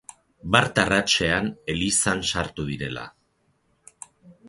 Bart arratsean elizan sartu direla.